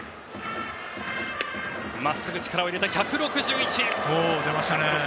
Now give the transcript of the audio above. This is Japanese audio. まっすぐ、力を入れて１６１！